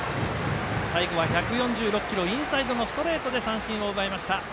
最後は１４６キロインサイドのストレートで三振を奪いました。